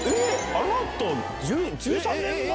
あなた１３年前。